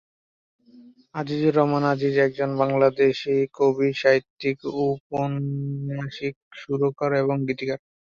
আজিজুর রহমান আজিজ একজন বাংলাদেশী কবি, সাহিত্যিক, উপন্যাসিক, সুরকার, এবং গীতিকার।